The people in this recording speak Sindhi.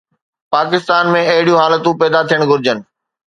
پاڪستان ۾ اهڙيون حالتون پيدا ٿيڻ گهرجن